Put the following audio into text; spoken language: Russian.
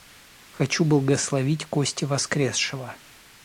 Хочу благословить кости воскресшего.